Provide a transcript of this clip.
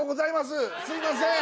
すいません！